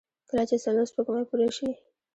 کله چې څلور سپوږمۍ پوره شي.